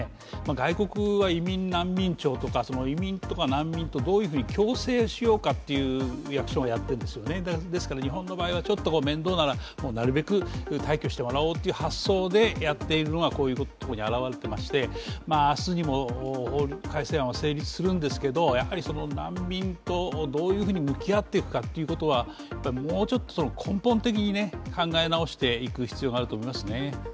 外国は移民難民庁とか移民とか難民とどういうふうに共生しようかと役所がやっているんですねですから日本の場合はちょっと面倒なら、なるべく退去してもらおうという発想でやっているのが、こういうところに表れてまして、明日にも改正案は成立するんですがやはりその難民とどういうふうに向き合っていくかというのはもうちょっと根本的に考え直していく必要があると思いますね。